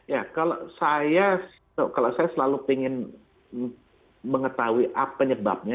ya kalau saya selalu ingin mengetahui penyebabnya